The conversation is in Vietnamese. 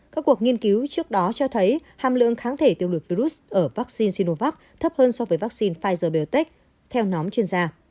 các cuộc nghiên cứu trước đó cho thấy hàm lượng kháng thể tiêu lùi virus ở vaccine sinovac thấp hơn so với vaccine pfizer biontech theo nhóm chuyên gia